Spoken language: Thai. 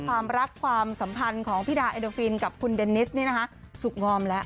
ความรักความสัมพันธ์ของพี่ดาเอโดฟินกับคุณเดนิสนี่นะคะสุขงอมแล้ว